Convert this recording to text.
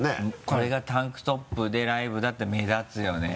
これがタンクトップでライブだったら目立つよね。